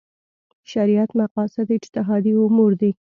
شریعت مقاصد اجتهادي امور دي.